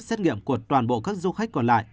xét nghiệm của toàn bộ các du khách còn lại